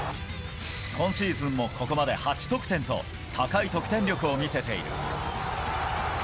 今シーズンも、ここまで８得点と高い得点力を見せている。